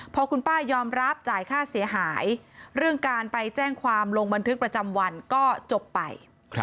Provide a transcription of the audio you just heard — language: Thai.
พอคุณป้ายอมรับจ่ายค่าเสียหายเรื่องการไปแจ้งความลงบันทึกประจำวันก็จบไป